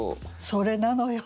それなのよ。